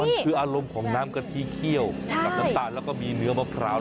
มันคืออารมณ์ของน้ำกะทิเคี่ยวกับน้ำตาลแล้วก็มีเนื้อมะพร้าว